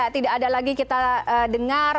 tidak ada lagi kita dengar